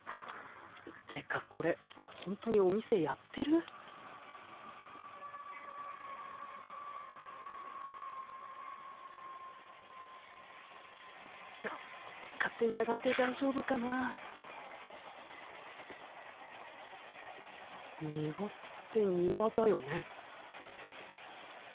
てかこれほんとにお店やってる？か勝手に上がって大丈夫かな「にわ」って丹羽だよね？